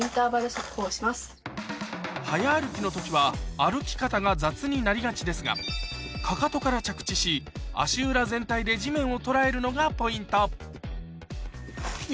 早歩きの時は歩き方が雑になりがちですが足裏全体で地面を捉えるのがポイント